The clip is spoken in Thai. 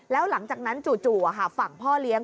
แล้วหลังจากนั้นจู่ฝั่งพ่อเลี้ยง